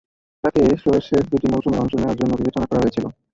তাকে শোয়ের শেষ দুটি মৌসুমে অংশ নেওয়ার জন্য বিবেচনা করা হয়েছিল।